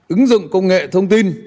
ứng dụng công nghệ thông tin